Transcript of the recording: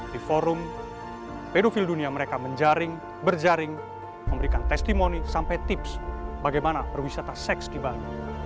di forum pedofil dunia mereka menjaring berjaring memberikan testimoni sampai tips bagaimana perwisata seks di bali